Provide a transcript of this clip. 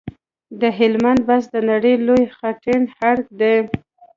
د هلمند بست د نړۍ لوی خټین ارک دی